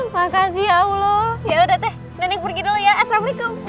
makasih ya allah yaudah teh neneng pergi dulu ya assalamu'alaikum